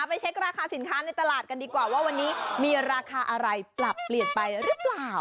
ไปเช็คราคาสินค้าในตลาดกันดีกว่าว่าวันนี้มีราคาอะไรปรับเปลี่ยนไปหรือเปล่า